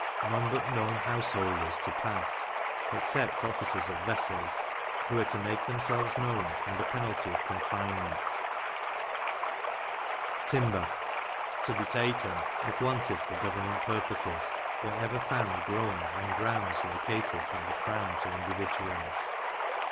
None but known householders to pass, except officers of vessels, who are to make themselves known, under penalty of confinement. Timber to be taken, if wanted for government purposes, wherever found growing on grounds located by the crown to individuals.